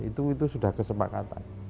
itu sudah kesepakatan